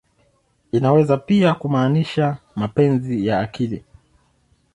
Inaweza pia kumaanisha "mapenzi ya akili.